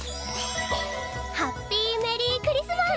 ハッピーメリークリスマス！